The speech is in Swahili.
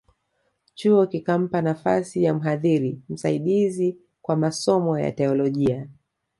Chuo kikampa nafasi ya mhadhiri msaidizi kwa masomo ya Teolojia